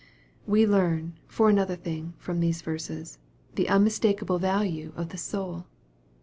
We learn, for another thing, from these verses, the unspeakable value of the soul.